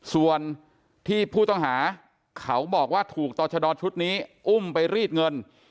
ส่วนที่ผู้ต้องหาเขาบอกว่าถูกต่อชะดอชุดนี้อุ้มไปรีดเงิน